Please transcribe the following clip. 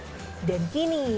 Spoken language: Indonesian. dan kini saatnya untuk menikmatinya